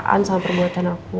kataan sama perbuatan aku